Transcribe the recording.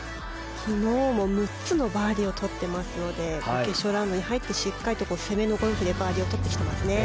昨日も６つのバーディーを取っていますので決勝ラウンドに入ってしっかり攻めのゴルフでバーディーを取ってきていますね。